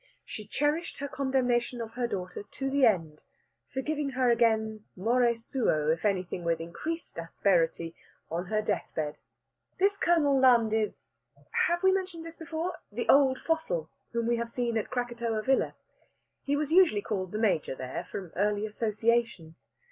She cherished her condemnation of her daughter to the end, forgiving her again morê suo, if anything with increased asperity, on her death bed. This Colonel Lund is (have we mentioned this before?) the "old fossil" whom we have seen at Krakatoa Villa. He was usually called "the Major" there, from early association.